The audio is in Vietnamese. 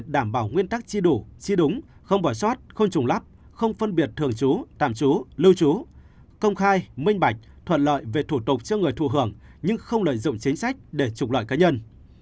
đảm bảo nguyên tắc chi đủ chi đúng không bỏ sót không trùng lắp không phân biệt thường trú tạm trú lưu trú công khai minh bạch thuận lợi về thủ tục cho người thụ hưởng nhưng không lợi dụng chính sách để trục lợi cá nhân